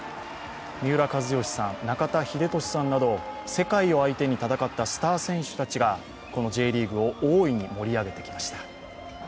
三浦知良さん、中田英寿さんなど世界を相手に戦ったスター選手たちが、このＪリーグを大いに盛り上げてくれました。